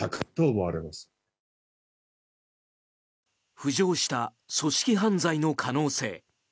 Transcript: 浮上した組織犯罪の可能性。